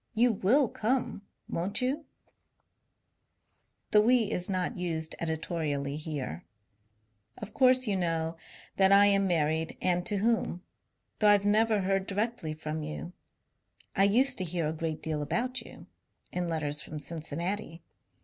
You will come, won't you ? The we is not used editorially here. Of course you know INTERVIEW WITH C. F. ADAMS 427 that I am married and to whom. Though I Ve never heard directly from you, I used to hear a great deal about you, in letters from Cincinnati.